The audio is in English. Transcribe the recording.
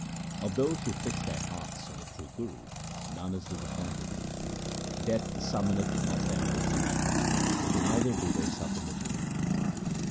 Of those who fix their hearts on the true Guru none is disappointed. Death summoneth not them for punishment, neither do they suffer misery.